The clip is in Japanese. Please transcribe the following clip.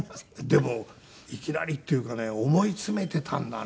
でもいきなりっていうかね思い詰めていたんだな。